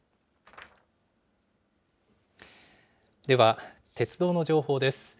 では、鉄道の情報です。